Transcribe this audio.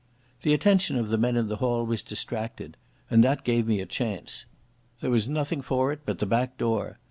The attention of the men in the hall was distracted, and that gave me a chance. There was nothing for it but the back door.